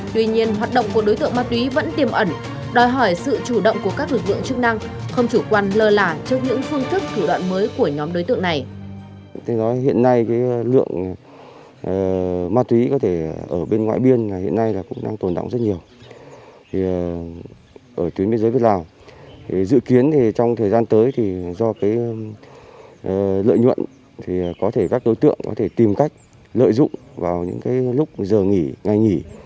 tuy nhiên hoạt động của đối tượng ma túy vẫn tiềm ẩn đòi hỏi sự chủ động của các lực lượng chức năng không chủ quan lờ là trước những phương thức thủ đoạn mới của nhóm đối tượng này